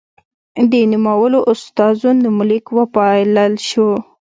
د نومولو استازو نومليک وپايلل شو.